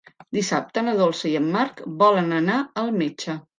Dissabte na Dolça i en Marc volen anar al metge.